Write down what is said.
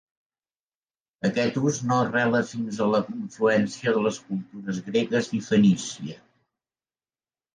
Aquest ús no arrela fins a la influència de les cultures gregues i fenícia.